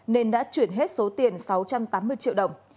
nên đã chuyển hết số tiền sáu trăm tám mươi triệu đồng